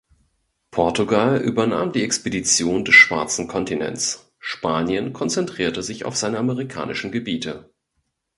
Portugal übernahm die Expedition des schwarzen Kontinents, Spanien konzentrierte sich auf seine amerikanischen Gebiete.